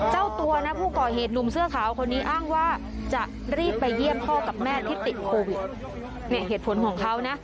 เจ้าตัวนะผู้ก่อเหตุหนุ่มเสื้อขาวคนนี้อ้างว่าจะรีบไปเยี่ยมพ่อกับแม่ที่ติดโควิดเนี่ยเหตุผลของเขานะ